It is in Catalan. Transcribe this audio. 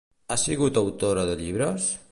Ha sigut autora de llibres?